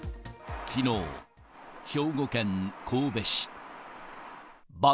きのう、兵庫県神戸市。